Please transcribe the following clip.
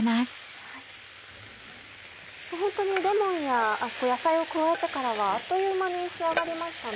ホントにレモンや野菜を加えてからはあっという間に仕上がりましたね。